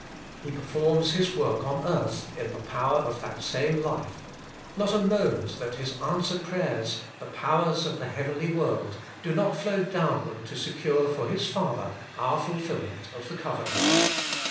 He performs His work on earth in the power of that same life; not a moment that His answered prayers — the powers of the heavenly world — do not flow downward to secure 228 ABIDE IN CHRIST: for His Father onr fulfilment of the covenant.